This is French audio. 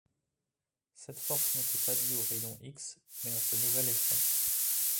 Cette force n'était pas due aux rayons X, mais à ce nouvel effet.